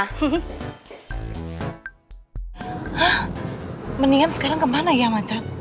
hah mendingan sekarang kemana ya mancan